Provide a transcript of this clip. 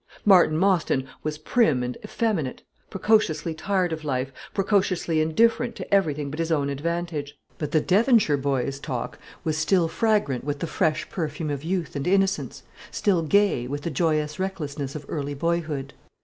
Martin Mostyn was prim and effeminate, precociously tired of life, precociously indifferent to everything but his own advantage; but the Devonshire boy's talk was still fragrant with the fresh perfume of youth and innocence, still gay with the joyous recklessness of early boyhood.